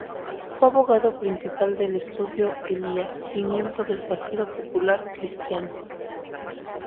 Fue abogado principal del Estudio Elías y miembro del Partido Popular Cristiano.